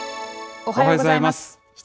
おはようございます。